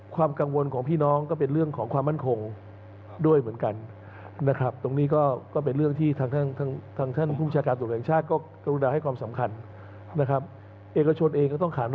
ความกังวลของพี่น้องก็เป็นเรื่องของความมั่นคงด้วยเหมือนกันนะครับ